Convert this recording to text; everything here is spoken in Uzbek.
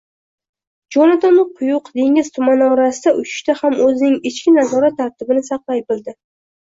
Jonatan quyuq dengiz tumani orasida uchishda ham o‘zining ichki nazorat tartibini saqlay bildi